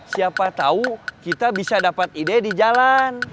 siapa tahu kita bisa dapat ide di jalan